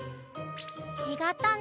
ちがったね。